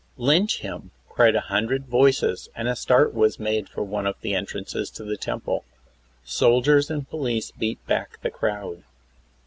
"Lynch him," cried a hundred voices, and a start was made for one of the entrances of the Temple. Soldiers and police beat back the crowd.